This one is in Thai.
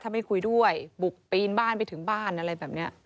ถ้าไม่คุยด้วยบุกปีนบ้านไปถึงบ้านอะไรแบบนี้